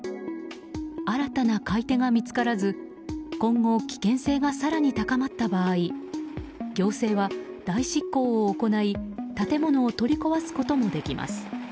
新たな買い手が見つからず今後、危険性が更に高まった場合行政は代執行を行い建物を取り壊すこともできます。